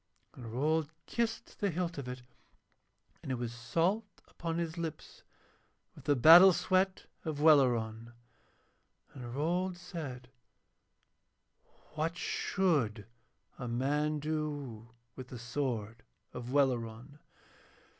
And Rold kissed the hilt of it, and it was salt upon his lips with the battle sweat of Welleran. And Rold said: 'What should a man do with the sword of Welleran?'